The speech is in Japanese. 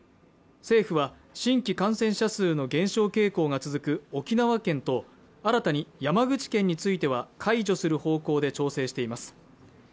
政府は新規感染者数の減少傾向が続く沖縄県と新たに山口県については解除する方向で調整しています